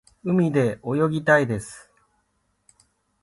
海で泳ぎたいです。